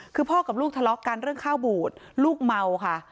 คือพ่อกับลูกทะเลาะกันเรื่องข้าวบูดลูกเมาค่ะ